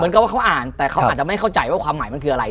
ว่าเขาอ่านแต่เขาอาจจะไม่เข้าใจว่าความหมายมันคืออะไร